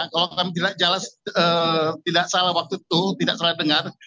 kalau kami tidak jelas tidak salah waktu itu tidak salah dengar